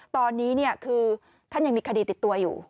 ตอนนี้คือท่านยังมีคดีติดตัวอยู่